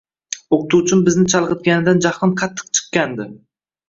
O`qituvchim bizni chalg`itganidan jahlim qattiq chiqqandi